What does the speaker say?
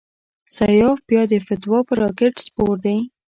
سیاف بیا د فتوی پر راکېټ سپور دی.